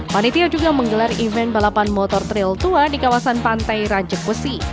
panitia juga menggelar event balapan motor trail tua di kawasan pantai raja besi